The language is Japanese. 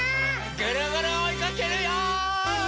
ぐるぐるおいかけるよ！